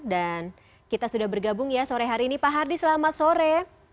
dan kita sudah bergabung ya sore hari ini pak hardy selamat sore